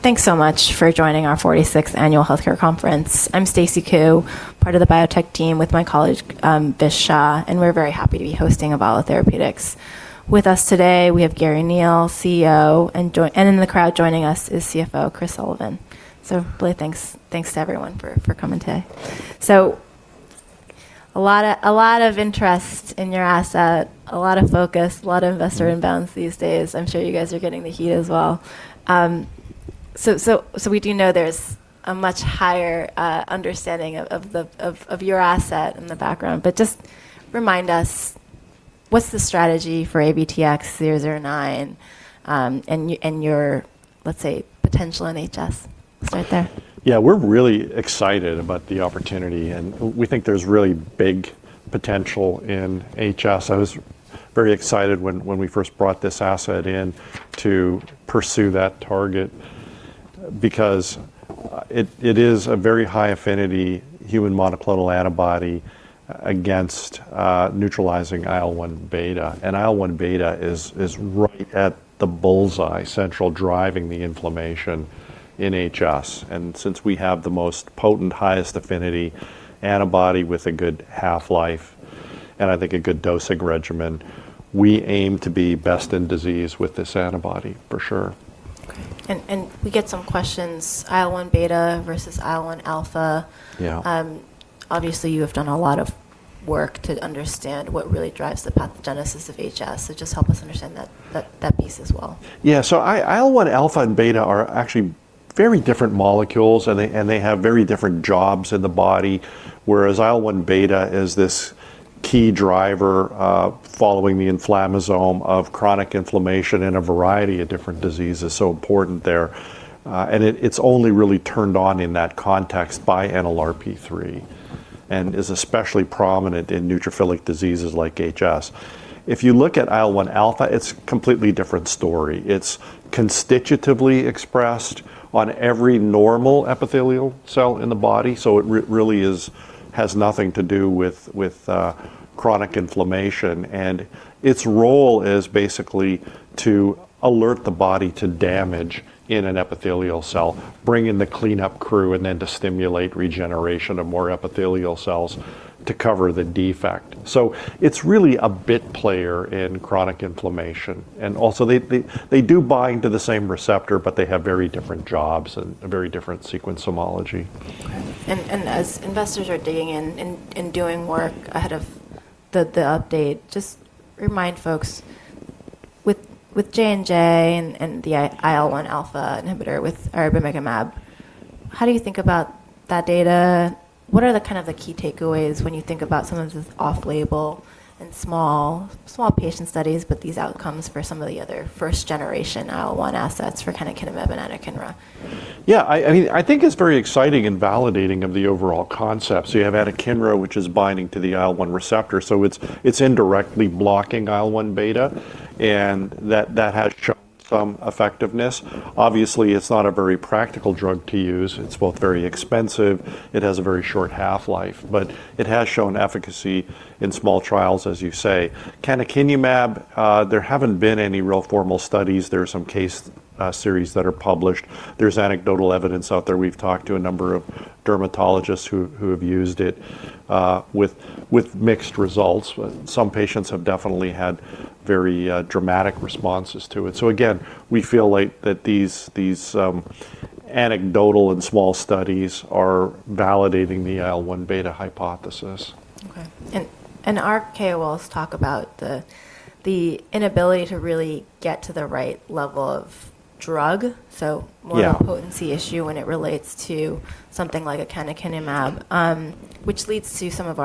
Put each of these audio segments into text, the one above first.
Thanks so much for joining our 46th Annual Healthcare Conference. I'm Stacy Ku, part of the biotech team with my colleague, Vi Shah, and we're very happy to be hosting Avalo Therapeutics. With us today, we have Garry Neil, CEO, and in the crowd joining us is CFO, Chris Sullivan. Really thanks to everyone for coming today. A lot of interest in your asset, a lot of focus, a lot of investor inbounds these days. I'm sure you guys are getting the heat as well. We do know there's a much higher understanding of your asset in the background, but just remind us, what's the strategy for AVTX-009, and your, let's say, potential in HS? Start there. Yeah, we're really excited about the opportunity, and we think there's really big potential in HS. I was very excited when we first brought this asset in to pursue that target because it is a very high-affinity human monoclonal antibody against neutralizing IL-1 beta. IL-1 beta is right at the bullseye, central driving the inflammation in HS. Since we have the most potent, highest affinity antibody with a good half-life, and I think a good dosing regimen, we aim to be best in disease with this antibody, for sure. Okay. We get some questions, IL-1 beta versus IL-1 alpha. Yeah. Obviously you have done a lot of work to understand what really drives the pathogenesis of HS. Just help us understand that piece as well. IL-1 alpha and beta are actually very different molecules, and they have very different jobs in the body, whereas IL-1 beta is this key driver following the inflammasome of chronic inflammation in a variety of different diseases, so important there. It's only really turned on in that context by NLRP3 and is especially prominent in neutrophilic diseases like HS. If you look at IL-1 alpha, it's completely different story. It's constitutively expressed on every normal epithelial cell in the body, it really has nothing to do with chronic inflammation. Its role is basically to alert the body to damage in an epithelial cell, bring in the cleanup crew, and then to stimulate regeneration of more epithelial cells to cover the defect. It's really a bit player in chronic inflammation. Also, they do bind to the same receptor, but they have very different jobs and a very different sequence homology. Okay. As investors are digging in, and doing work ahead of the update, just remind folks with J&J and the IL-1 alpha inhibitor with bermekimab, how do you think about that data? What are the kind of the key takeaways when you think about some of this off-label and small patient studies, but these outcomes for some of the other first-generation IL-1 assets for canakinumab and anakinra? I mean, I think it's very exciting and validating of the overall concept. You have anakinra, which is binding to the IL-1 receptor, it's indirectly blocking IL-1 beta, and that has shown some effectiveness. Obviously, it's not a very practical drug to use. It's both very expensive. It has a very short half-life. It has shown efficacy in small trials, as you say. canakinumab, there haven't been any real formal studies. There are some case series that are published. There's anecdotal evidence out there. We've talked to a number of dermatologists who have used it with mixed results. Some patients have definitely had very dramatic responses to it. Again, we feel like that these anecdotal and small studies are validating the IL-1 beta hypothesis. Okay. Our KOLs talk about the inability to really get to the right level of drug. Yeah. More of a potency issue when it relates to something like a canakinumab, which leads to some of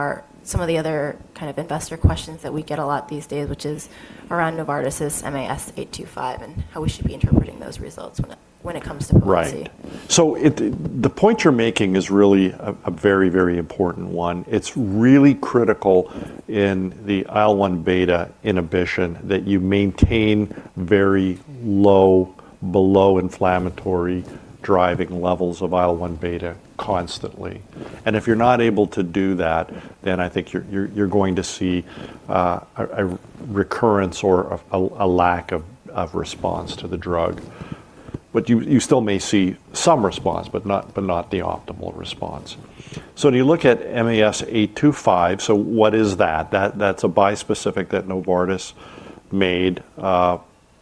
the other kind of investor questions that we get a lot these days, which is around Novartis' MAS825 and how we should be interpreting those results when it comes to potency. Right. The point you're making is really a very important one. It's really critical in the IL-1 beta inhibition that you maintain very low below inflammatory driving levels of IL-1 beta constantly. If you're not able to do that, then I think you're going to see a recurrence or a lack of response to the drug. You still may see some response, but not the optimal response. When you look at MAS825, so what is that? That's a bispecific that Novartis made,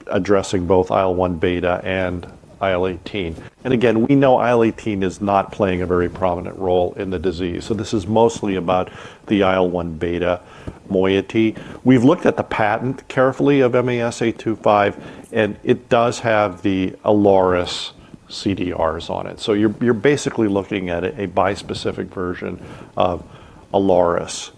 addressing both IL-1 beta and IL-18. Again, we know IL-18 is not playing a very prominent role in the disease. This is mostly about the IL-1 beta moiety. We've looked at the patent carefully of MAS825, and it does have the ILARIS CDRs on it. You're basically looking at a bispecific version of ILARIS.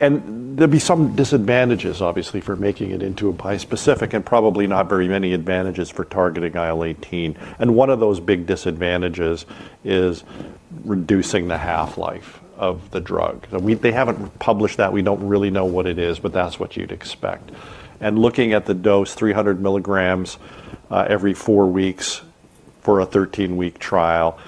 There'd be some disadvantages, obviously, for making it into a bispecific and probably not very many advantages for targeting IL-18. One of those big disadvantages is reducing the half-life of the drug. They haven't published that. We don't really know what it is, but that's what you'd expect. Looking at the dose, 300 mg every four weeks for a 13-week trial.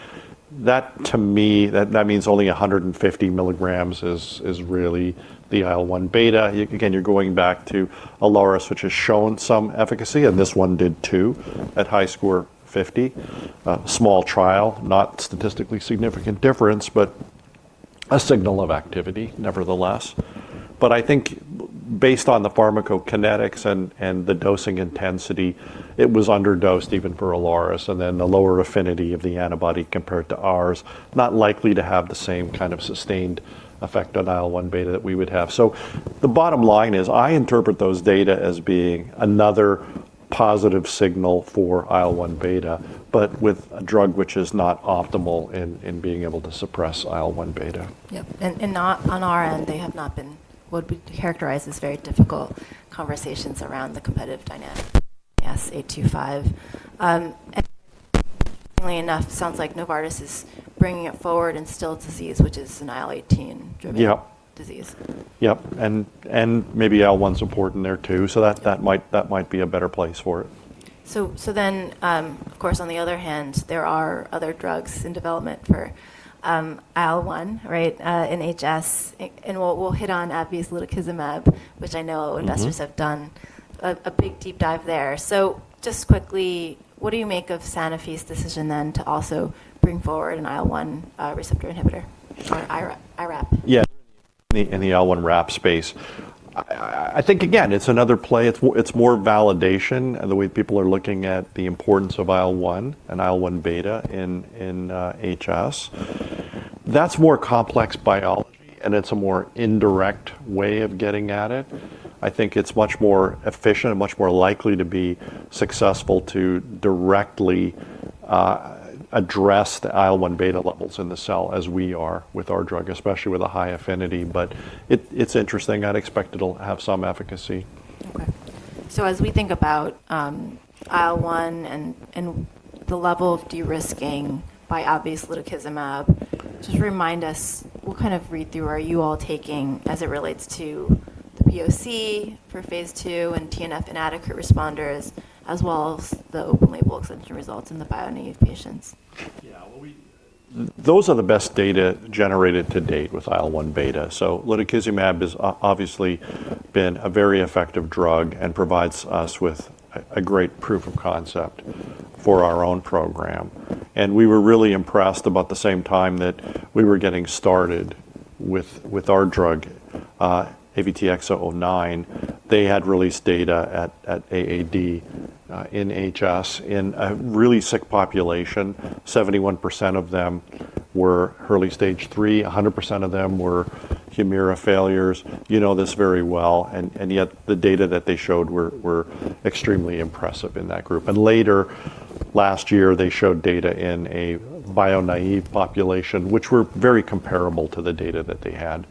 That, to me, that means only 150 mg is really the IL-1 beta. Again, you're going back to ILARIS, which has shown some efficacy, and this one did too at HiSCR 50. Small trial, not statistically significant difference, but a signal of activity nevertheless. I think based on the pharmacokinetics and the dosing intensity, it was underdosed even for ILARIS, and then the lower affinity of the antibody compared to ours, not likely to have the same kind of sustained effect on IL-1 beta that we would have. The bottom line is, I interpret those data as being another positive signal for IL-1 beta, but with a drug which is not optimal in being able to suppress IL-1 beta. Yep. On our end, they have not been what we'd characterize as very difficult conversations around the competitive dynamic MAS825. Funnily enough, sounds like Novartis is bringing it forward in Still's disease, which is an IL-18-driven-. Yep... disease. Yep. Maybe IL-1's important there too, so that might be a better place for it. Of course, on the other hand, there are other drugs in development for IL-1, right, in HS, and we'll hit on AbbVie's lutikizumab, which I know- Mm-hmm... investors have done a big deep dive there. Just quickly, what do you make of Sanofi's decision to also bring forward an IL-1 receptor inhibitor or IRAP? Yeah. In the IL1RAP space. I think again, it's another play. It's more validation in the way people are looking at the importance of IL-1 and IL-1 beta in HS. That's more complex biology, it's a more indirect way of getting at it. I think it's much more efficient and much more likely to be successful to directly address the IL-1 beta levels in the cell as we are with our drug, especially with a high affinity. It's interesting. I'd expect it'll have some efficacy. Okay. As we think about IL-1 and the level of de-risking by AbbVie's lutikizumab, just remind us what kind of read-through are you all taking as it relates to the POC for Phase II and TNF inadequate responders, as well as the open-label extension results in the bio-naive patients? Well, Those are the best data generated to date with IL-1 beta. Lutikizumab has obviously been a very effective drug and provides us with a great proof of concept for our own program. We were really impressed about the same time that we were getting started with our drug, AVTX-009. They had released data at AAD in HS, in a really sick population. 71% of them were early Stage three. 100% of them were HUMIRA failures. You know this very well, and yet the data that they showed were extremely impressive in that group. Later last year, they showed data in a bio-naive population, which were very comparable to the data that they had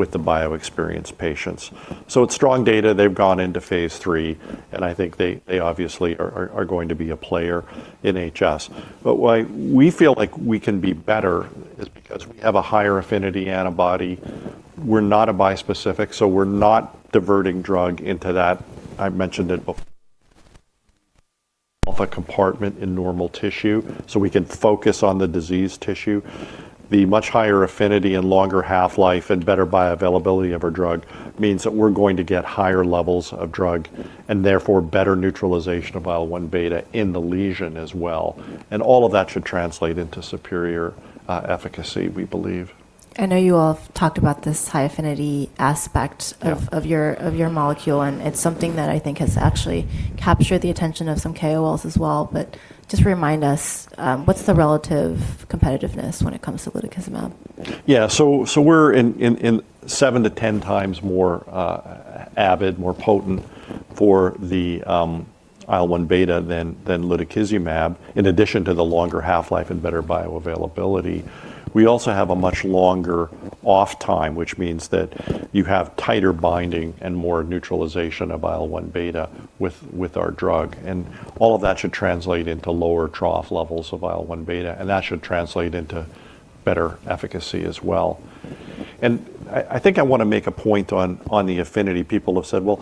with the bio-experienced patients. It's strong data. They've gone into Phase III. I think they obviously are going to be a player in HS. Why we feel like we can be better is because we have a higher affinity antibody. We're not a bispecific, so we're not diverting drug into that. I've mentioned it of a compartment in normal tissue, so we can focus on the disease tissue. The much higher affinity and longer half-life and better bioavailability of our drug means that we're going to get higher levels of drug and therefore better neutralization of IL-1 beta in the lesion as well. All of that should translate into superior efficacy, we believe. I know you all have talked about this high affinity aspect- Yeah... of your molecule, and it's something that I think has actually captured the attention of some KOLs as well. But just remind us, what's the relative competitiveness when it comes to lutikizumab? Yeah. We're in 7x-10x more avid, more potent for the IL-1 beta than lutikizumab, in addition to the longer half-life and better bioavailability. We also have a much longer off time, which means that you have tighter binding and more neutralization of IL-1 beta with our drug. All of that should translate into lower trough levels of IL-1 beta, that should translate into better efficacy as well. I think I wanna make a point on the affinity. People have said, "Well,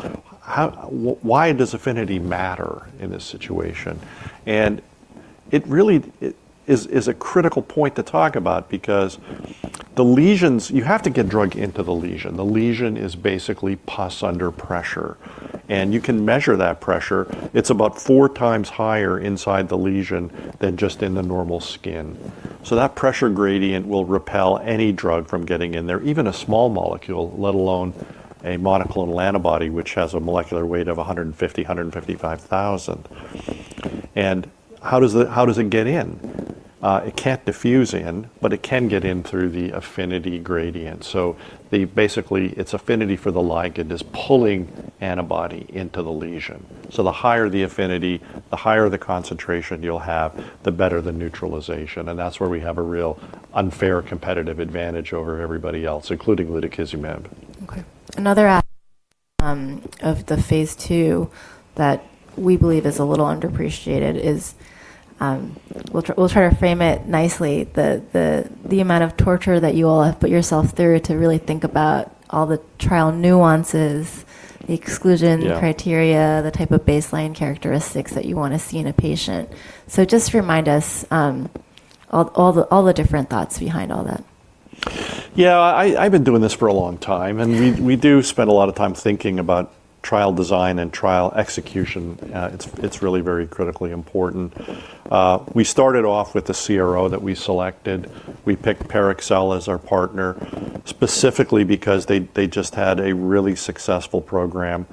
why does affinity matter in this situation?" It really is a critical point to talk about because you have to get drug into the lesion. The lesion is basically pus under pressure, you can measure that pressure. It's about 4x higher inside the lesion than just in the normal skin. That pressure gradient will repel any drug from getting in there, even a small molecule, let alone a monoclonal antibody, which has a molecular weight of 150,000-155,000. How does it get in? It can't diffuse in, but it can get in through the affinity gradient. Basically, its affinity for the ligand is pulling antibody into the lesion. The higher the affinity, the higher the concentration you'll have, the better the neutralization, and that's where we have a real unfair competitive advantage over everybody else, including lutikizumab. Okay. Another of the Phase II that we believe is a little underappreciated is, we'll try to frame it nicely. The amount of torture that you all have put yourself through to really think about all the trial nuances. Yeah... criteria, the type of baseline characteristics that you wanna see in a patient. Just remind us, all the different thoughts behind all that. I've been doing this for a long time, and we do spend a lot of time thinking about trial design and trial execution. it's really very critically important. We started off with the CRO that we selected. We picked Parexel as our partner specifically because they just had a really successful program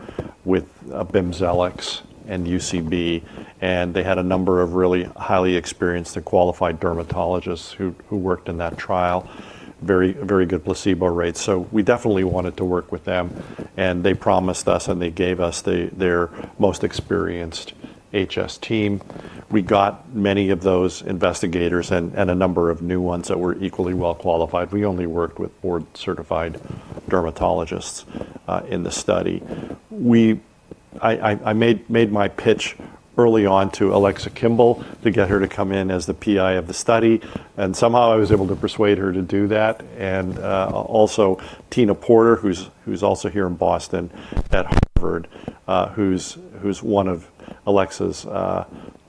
with BIMZELX and UCB, and they had a number of really highly experienced and qualified dermatologists who worked in that trial, very good placebo rates. We definitely wanted to work with them, and they promised us, and they gave us their most experienced HS team. We got many of those investigators and a number of new ones that were equally well qualified. We only worked with board-certified dermatologists in the study. I made my pitch early on to Alexa Kimball to get her to come in as the PI of the study. Somehow I was able to persuade her to do that. Also Tina Porter, who's also here in Boston at Harvard, who's one of Alexa's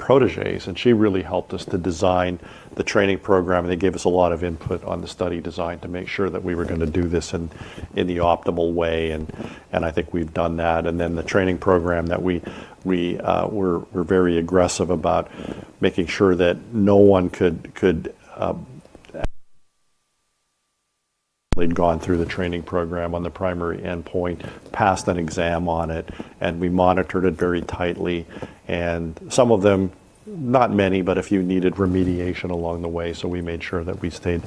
proteges. She really helped us to design the training program. They gave us a lot of input on the study design to make sure that we were gonna do this in the optimal way, and I think we've done that. The training program that we're very aggressive about making sure that no one could, they'd gone through the training program on the primary endpoint, passed an exam on it. We monitored it very tightly. Some of them, not many, but a few needed remediation along the way. We made sure that we stayed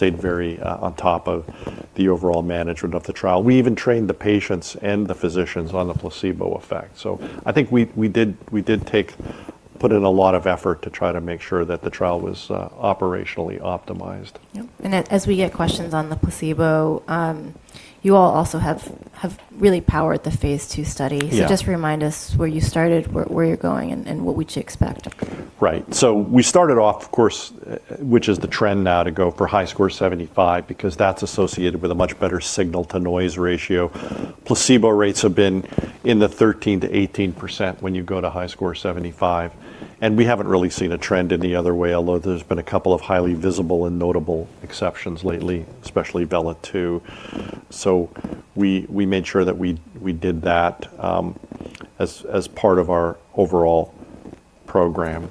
very on top of the overall management of the trial. We even trained the patients and the physicians on the placebo effect. I think we did put in a lot of effort to try to make sure that the trial was operationally optimized. Yep. As we get questions on the placebo, you all also have really powered the Phase II study. Yeah. Just remind us where you started, where you're going, and what we should expect? Right. We started off, of course, which is the trend now, to go for HiSCR 75 because that's associated with a much better signal-to-noise ratio. Placebo rates have been in the 13%-18% when you go to HiSCR 75, we haven't really seen a trend any other way, although there's been a couple of highly visible and notable exceptions lately, especially VELA-2. We made sure that we did that as part of our overall program.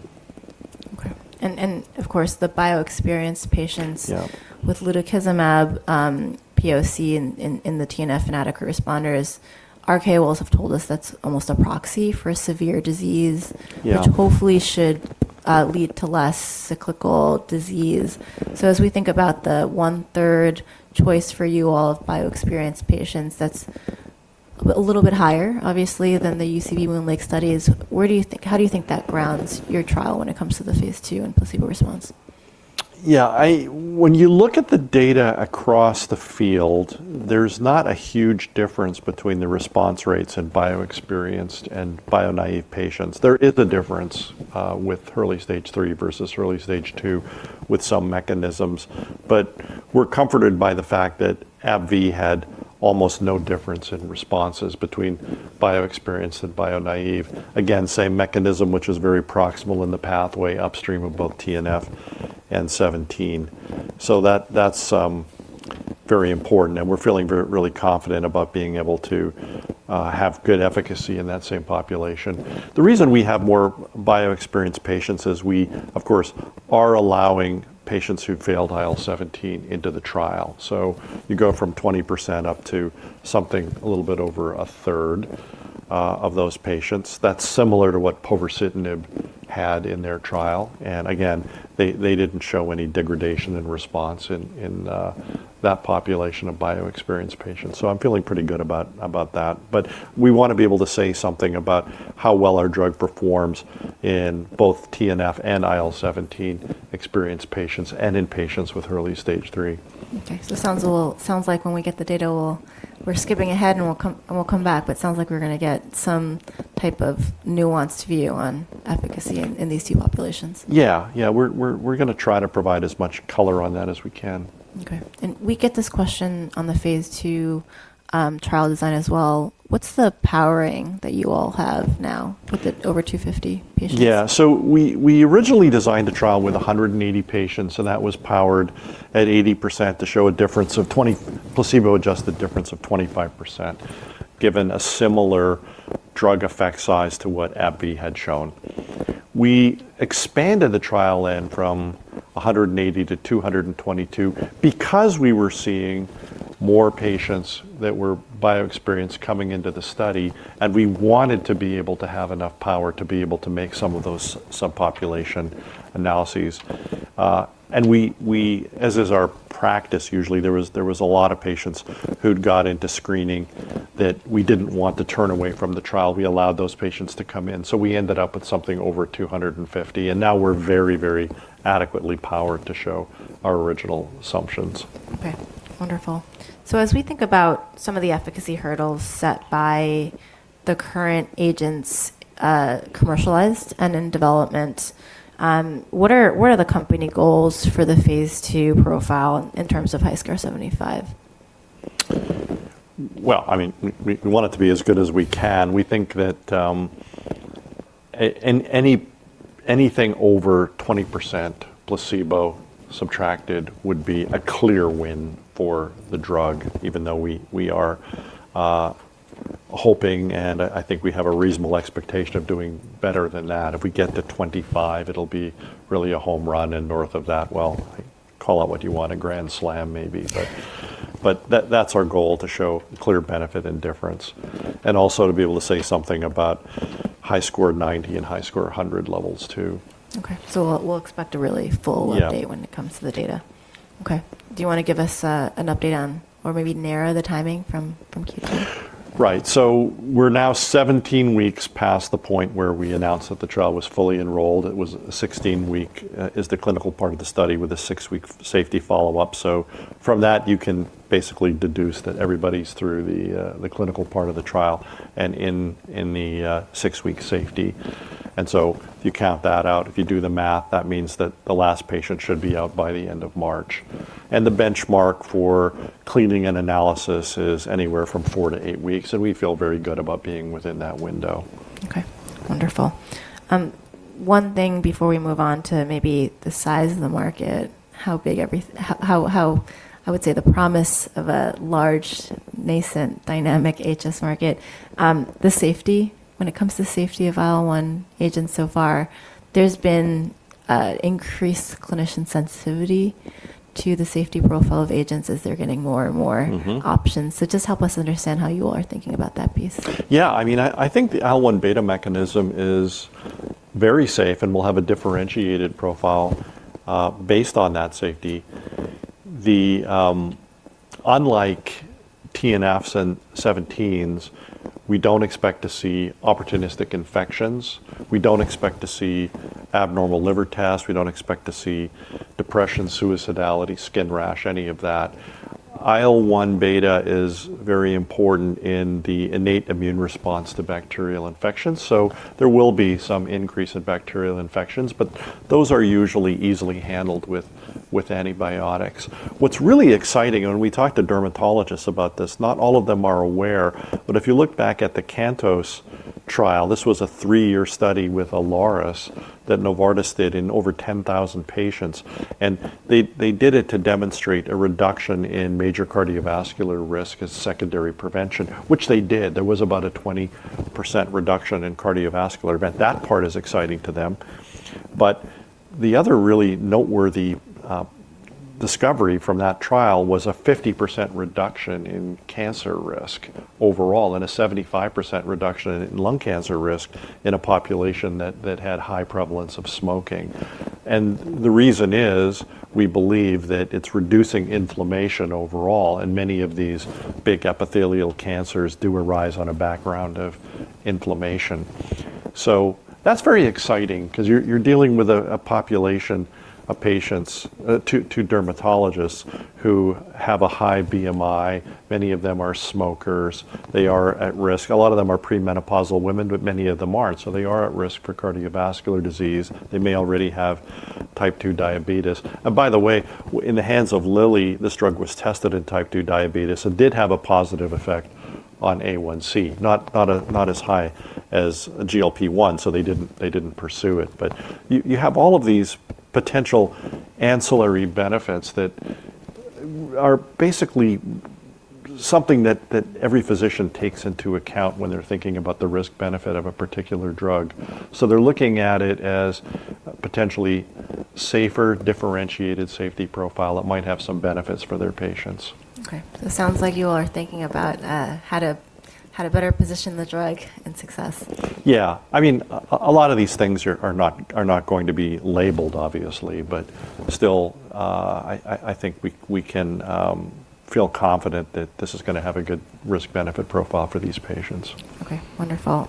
Okay. of course, the bio-experienced patients- Yeah... with lutikizumab, POC in the TNF inadequate responders, Our KOLs also have told us that's almost a proxy for severe disease. Yeah... which hopefully should lead to less cyclical disease. As we think about the 1/3 choice for you all of bio-experienced patients, that's a little bit higher obviously than the UCB MoonLake studies. How do you think that grounds your trial when it comes to the Phase II and placebo response? Yeah. When you look at the data across the field, there's not a huge difference between the response rates in bio-experienced and bio-naive patients. There is a difference with early stage three versus early stage two with some mechanisms. We're comforted by the fact that AbbVie had almost no difference in responses between bio-experienced and bio-naive. Again, same mechanism, which is very proximal in the pathway upstream of both TNF and 17. That's very important, and we're feeling really confident about being able to have good efficacy in that same population. The reason we have more bio-experienced patients is we, of course, are allowing patients who failed IL-17 into the trial. You go from 20% up to something a little bit over a third of those patients. That's similar to what povorcitinib had in their trial. Again, they didn't show any degradation in response in that population of bio-experienced patients. I'm feeling pretty good about that. We wanna be able to say something about how well our drug performs in both TNF and IL-17 experienced patients and in patients with early stage three. Okay. It sounds like when we get the data, we're skipping ahead, and we'll come back. It sounds like we're gonna get some type of nuanced view on efficacy in these two populations. Yeah. Yeah. We're gonna try to provide as much color on that as we can. Okay. We get this question on the Phase II trial design as well. What's the powering that you all have now with the over 250 patients? We originally designed the trial with 180 patients, so that was powered at 80% to show a placebo-adjusted difference of 25%, given a similar drug effect size to what AbbVie had shown. We expanded the trial from 180 to 222 because we were seeing more patients that were bio-experienced coming into the study, and we wanted to be able to have enough power to be able to make some of those subpopulation analyses. We, as is our practice usually, there was a lot of patients who'd got into screening that we didn't want to turn away from the trial. We allowed those patients to come in. We ended up with something over 250, and now we're very adequately powered to show our original assumptions. Okay. Wonderful. As we think about some of the efficacy hurdles set by the current agents, commercialized and in development, what are the company goals for the Phase II profile in terms of HiSCR 75? Well, I mean, we want it to be as good as we can. We think that anything over 20% placebo subtracted would be a clear win for the drug, even though we are hoping, and I think we have a reasonable expectation of doing better than that. If we get to 25%, it'll be really a home run, and north of that, well, call it what you want, a grand slam maybe. That's our goal, to show clear benefit and difference, and also to be able to say something about HiSCR 90 and HiSCR 100 levels too. Okay. we'll expect a really full update- Yeah... when it comes to the data. Okay. Do you wanna give us an update on or maybe narrow the timing from Q2? Right. We're now 17 weeks past the point where we announced that the trial was fully enrolled. It was a 16-week is the clinical part of the study with a six-week safety follow-up. From that, you can basically deduce that everybody's through the clinical part of the trial and in the six-week safety. If you count that out, if you do the math, that means that the last patient should be out by the end of March. The benchmark for cleaning and analysis is anywhere from four to eight weeks, and we feel very good about being within that window. Okay. Wonderful. One thing before we move on to maybe the size of the market, how big I would say the promise of a large nascent dynamic HS market, the safety. When it comes to safety of IL-1 agents so far, there's been increased clinician sensitivity to the safety profile of agents as they're getting more and more. Mm-hmm... options. Just help us understand how you are thinking about that piece. Yeah. I mean, I think the IL-1 beta mechanism is very safe and will have a differentiated profile based on that safety. Unlike TNFs and IL-17s, we don't expect to see opportunistic infections. We don't expect to see abnormal liver tests. We don't expect to see depression, suicidality, skin rash, any of that. IL-1 beta is very important in the innate immune response to bacterial infections, so there will be some increase in bacterial infections, but those are usually easily handled with antibiotics. What's really exciting, and we talked to dermatologists about this, not all of them are aware, but if you look back at the CANTOS trial, this was a three-year study with ILARIS that Novartis did in over 10,000 patients, and they did it to demonstrate a reduction in major cardiovascular risk as secondary prevention, which they did. There was about a 20% reduction in cardiovascular event. That part is exciting to them. The other really noteworthy discovery from that trial was a 50% reduction in cancer risk overall and a 75% reduction in lung cancer risk in a population that had high prevalence of smoking. The reason is, we believe that it's reducing inflammation overall, and many of these big epithelial cancers do arise on a background of inflammation. That's very exciting 'cause you're dealing with a population of patients to dermatologists who have a high BMI. Many of them are smokers. They are at risk. A lot of them are premenopausal women, but many of them aren't. They are at risk for cardiovascular disease. They may already have type two diabetes. by the way, in the hands of Lilly, this drug was tested in type two diabetes and did have a positive effect on A1C, not as high as a GLP-1, so they didn't pursue it. You have all of these potential ancillary benefits that are basically something that every physician takes into account when they're thinking about the risk-benefit of a particular drug. They're looking at it as a potentially safer, differentiated safety profile that might have some benefits for their patients. Okay. It sounds like you all are thinking about how to better position the drug in success. Yeah. I mean, a lot of these things are not going to be labeled obviously. Still, I think we can feel confident that this is gonna have a good risk-benefit profile for these patients. Okay. Wonderful.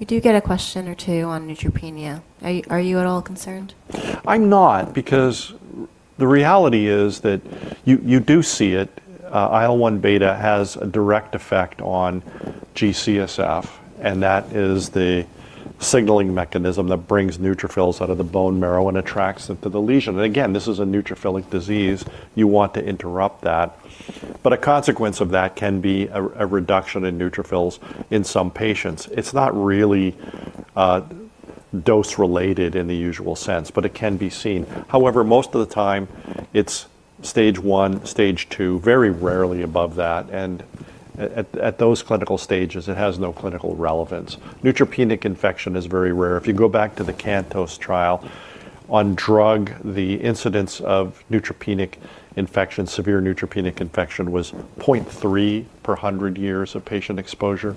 We do get a question or two on neutropenia. Are you at all concerned? I'm not because the reality is that you do see it. IL-1 beta has a direct effect on G-CSF, that is the signaling mechanism that brings neutrophils out of the bone marrow and attracts them to the lesion. Again, this is a neutrophilic disease. You want to interrupt that. A consequence of that can be a reduction in neutrophils in some patients. It's not really dose-related in the usual sense, but it can be seen. Most of the time it's stage one, stage two, very rarely above that. At those clinical stages, it has no clinical relevance. Neutropenic infection is very rare. If you go back to the CANTOS trial on drug, the incidence of neutropenic infection, severe neutropenic infection was 0.3 per 100 years of patient exposure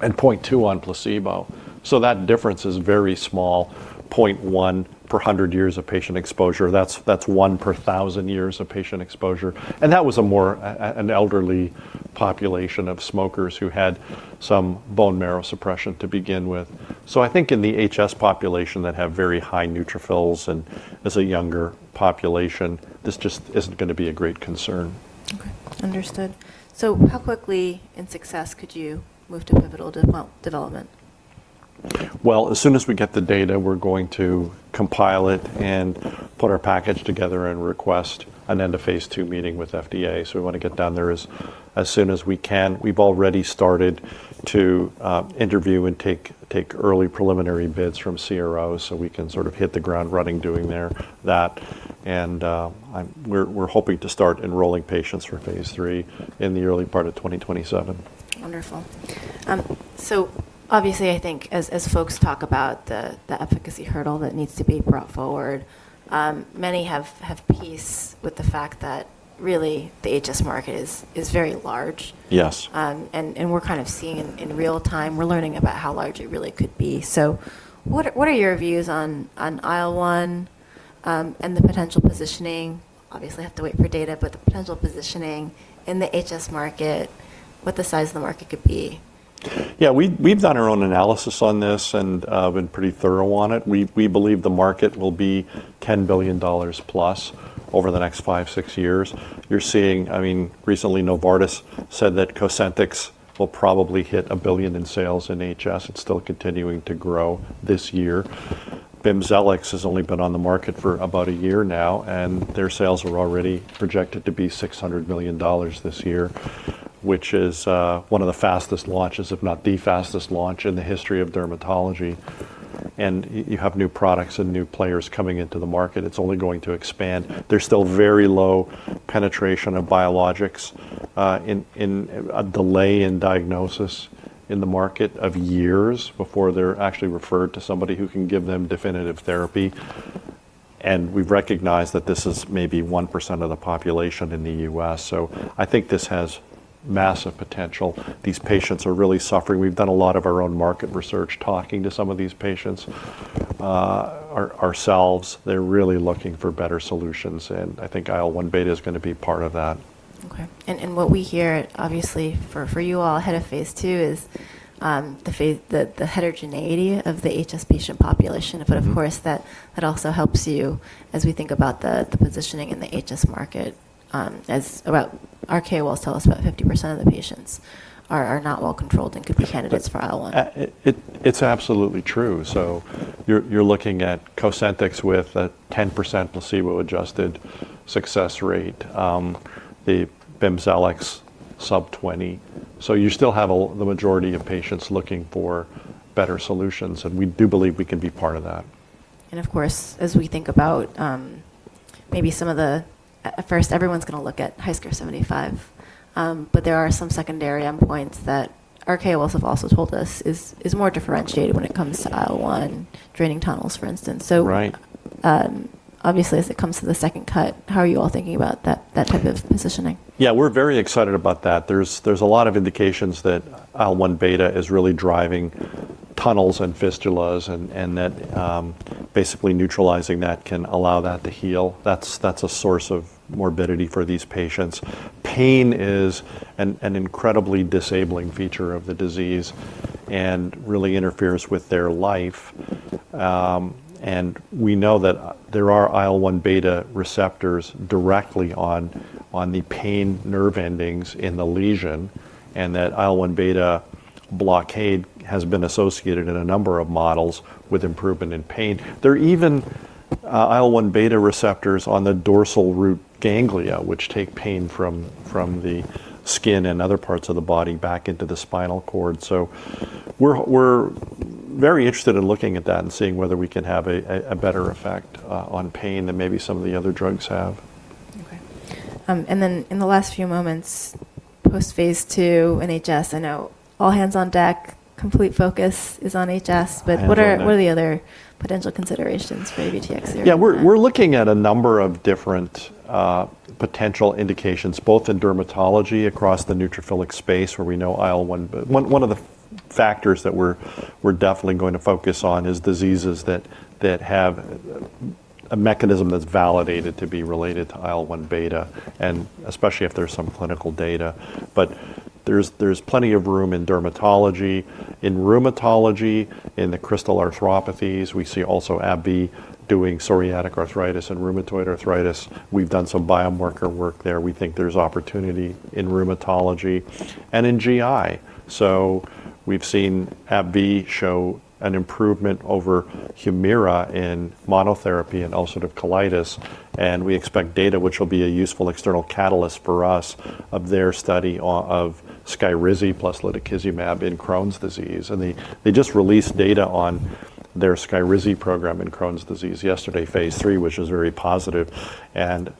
and 0.2 on placebo. That difference is very small, 0.1 per 100 years of patient exposure. That's one per 1,000 years of patient exposure. That was an elderly population of smokers who had some bone marrow suppression to begin with. I think in the HS population that have very high neutrophils and is a younger population, this just isn't gonna be a great concern. Okay. Understood. How quickly in success could you move to pivotal well, development? As soon as we get the data, we're going to compile it and put our package together and request an End-of-Phase II meeting with FDA. We wanna get down there as soon as we can. We've already started to interview and take early preliminary bids from CROs, so we can sort of hit the ground running doing that. We're hoping to start enrolling patients for Phase III in the early part of 2027. Wonderful. Obviously I think as folks talk about the efficacy hurdle that needs to be brought forward, many have peace with the fact that really the HS market is very large. Yes. We're kind of seeing in real time, we're learning about how large it really could be. What are, what are your views on IL-1, and the potential positioning? Obviously have to wait for data, but the potential positioning in the HS market, what the size of the market could be. Yeah, we've done our own analysis on this and been pretty thorough on it. We believe the market will be $10 billion-plus over the next five, six years. I mean, recently Novartis said that COSENTYX will probably hit $1 billion in sales in HS. It's still continuing to grow this year. BIMZELX has only been on the market for about a year now, and their sales are already projected to be $600 million this year, which is one of the fastest launches, if not the fastest launch in the history of dermatology. You have new products and new players coming into the market. It's only going to expand. There's still very low penetration of biologics, in a delay in diagnosis in the market of years before they're actually referred to somebody who can give them definitive therapy. We've recognized that this is maybe 1% of the population in the U.S. I think this has massive potential. These patients are really suffering. We've done a lot of our own market research talking to some of these patients ourselves. They're really looking for better solutions. I think IL-1 beta is gonna be part of that. Okay. What we hear obviously for you all ahead of Phase II is the heterogeneity of the HS patient population. Mm-hmm. Of course that also helps you as we think about the positioning in the HS market. Our KOLs tell us about 50% of the patients are not well controlled and could be candidates for IL-1. It's absolutely true. You're looking at COSENTYX with a 10% placebo-adjusted success rate. The BIMZELX sub-20%. You still have the majority of patients looking for better solutions, and we do believe we can be part of that. Of course, as we think about, maybe some of the... At first, everyone's gonna look at HiSCR 75, but there are some secondary endpoints that our KOLs have also told us is more differentiated when it comes to IL-1, draining tunnels, for instance. Right... obviously, as it comes to the second cut, how are you all thinking about that type of positioning? Yeah, we're very excited about that. There's a lot of indications that IL-1 beta is really driving tunnels and fistulas and that basically neutralizing that can allow that to heal. That's a source of morbidity for these patients. Pain is an incredibly disabling feature of the disease and really interferes with their life. And we know that there are IL-1 beta receptors directly on the pain nerve endings in the lesion, and that IL-1 beta blockade has been associated in a number of models with improvement in pain. There are even IL-1 beta receptors on the dorsal root ganglia, which take pain from the skin and other parts of the body back into the spinal cord. We're very interested in looking at that and seeing whether we can have a better effect on pain than maybe some of the other drugs have. Okay. In the last few moments, post-Phase II in HS, I know all hands on deck, complete focus is on HS, but what are. And then-... what are the other potential considerations for AVTX-009? Yeah, we're looking at a number of different potential indications both in dermatology across the neutrophilic space where we know. One of the factors that we're definitely going to focus on is diseases that have a mechanism that's validated to be related to IL-1 beta, and especially if there's some clinical data. There's plenty of room in dermatology. In rheumatology, in the crystal arthropathies, we see also AbbVie doing psoriatic arthritis and rheumatoid arthritis. We've done some biomarker work there. We think there's opportunity in rheumatology and in GI. We've seen AbbVie show an improvement over Humira in monotherapy and ulcerative colitis, and we expect data which will be a useful external catalyst for us of their study of SKYRIZI plus lutikizumab in Crohn's disease. They just released data on their SKYRIZI program in Crohn's disease yesterday, Phase III, which is very positive.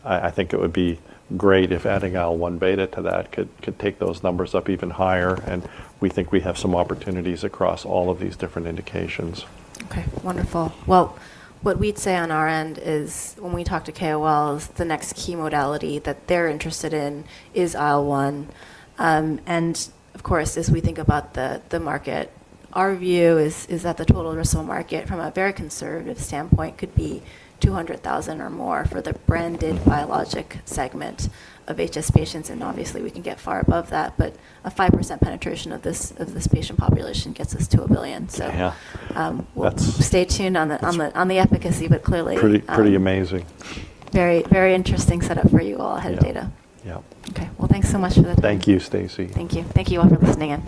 I think it would be great if adding IL-1 beta to that could take those numbers up even higher. We think we have some opportunities across all of these different indications. Okay, wonderful. Well, what we'd say on our end is when we talk to KOLs, the next key modality that they're interested in is IL-1. Of course, as we think about the market, our view is that the total addressable market, from a very conservative standpoint, could be 200,000 or more for the branded biologic segment of HS patients. Obviously we can get far above that. A 5% penetration of this patient population gets us to $1 billion. Yeah. Well,... stay tuned on the efficacy, but clearly. Pretty, pretty amazing. Very, very interesting set up for you all ahead of data. Yeah. Yeah. Okay. Well, thanks so much for the time. Thank you, Stacy. Thank you. Thank you all for listening in.